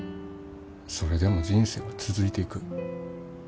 それでも人生は続いていく。